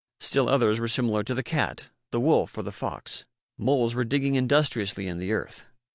Still others were similar to the cat, the wolf, or the fox. Moles were digging industriously in the earth.